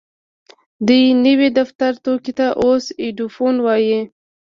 دې نوي دفتري توکي ته اوس ايډيفون وايي.